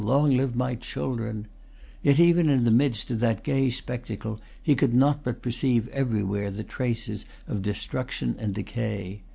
Long live my children!" Yet, even in the midst of that gay spectacle, he could not but perceive everywhere the traces of destruction and decay.